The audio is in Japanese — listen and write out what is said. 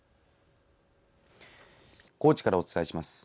高知からお伝えします。